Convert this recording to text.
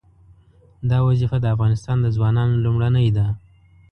دا وظیفه د افغانستان د ځوانانو لومړنۍ ده.